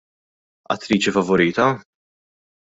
Attriċi favorita?